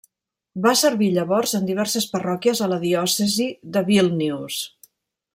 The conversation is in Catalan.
Va servir llavors en diverses parròquies a la diòcesi de Vílnius.